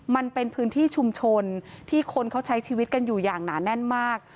มันเป็นพื้นที่ชุมชนที่คนเขาใช้ชีวิตกันอยู่อย่างหนาแน่นมาก